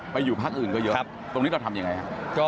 ไปอยู่ภาคอื่นก็เยอะตรงนี้เราทำอย่างไรครับ